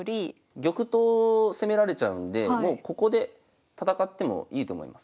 玉頭を攻められちゃうんでもうここで戦ってもいいと思います。